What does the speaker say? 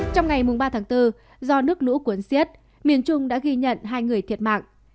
trong ngày ba tháng bốn do nước lũ cuốn xiết miền trung đã ghi nhận hai người thiệt mạng